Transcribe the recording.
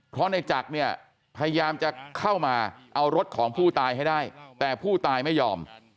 เพราะในจักรเนี่ยพยายามจะเข้ามาเอารถของผู้ตายให้ได้แต่ผู้ตายไม่ยอม